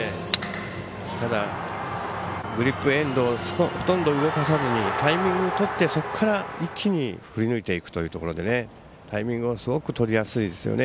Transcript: ただグリップエンドをほとんど動かさずにタイミングとって、そこから一気に振り抜いていくというところでタイミングをすごくとりやすいですよね。